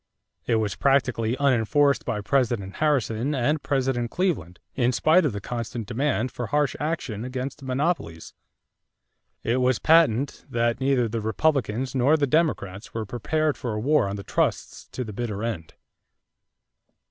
It was practically unenforced by President Harrison and President Cleveland, in spite of the constant demand for harsh action against "monopolies." It was patent that neither the Republicans nor the Democrats were prepared for a war on the trusts to the bitter end.